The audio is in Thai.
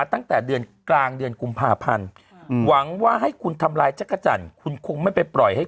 ตั้งแต่เดือนกลางเดือนกุมภาพันธ์หวังว่าให้คุณทำลายจักรจันทร์คุณคงไม่ไปปล่อยให้